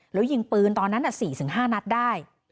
แล้วยิงปืนตอนนั้น๔๕นัดได้